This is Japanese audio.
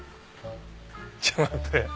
ちょっと待って。